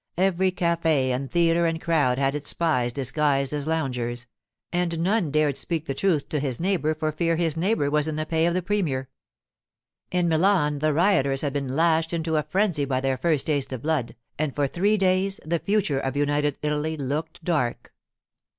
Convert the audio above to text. Every café and theatre and crowd had its spies disguised as loungers; and none dared speak the truth to his neighbour for fear his neighbour was in the pay of the premier. In Milan the rioters had been lashed into a frenzy by their first taste of blood, and for three days the future of United Italy looked dark.